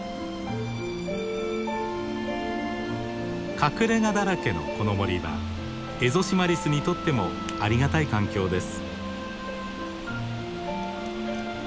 隠れ家だらけのこの森はエゾシマリスにとってもありがたい環境です。